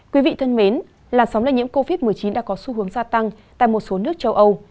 quý vị thân mến làn sóng lây nhiễm covid một mươi chín đã có xu hướng gia tăng tại một số nước châu âu